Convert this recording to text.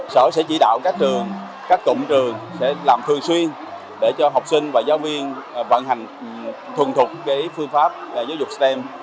sở sẽ chỉ đạo các trường các tụng trường sẽ làm thường xuyên để cho học sinh và giáo viên vận hành thuần thuộc phương pháp giáo dục stem